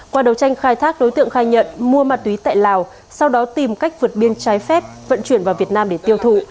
qua đầu tranh khai thác đối tượng khai nhận mua ma túy tại lào sau đó tìm cách vượt biên trái phép vận chuyển vào việt nam để tiêu thụ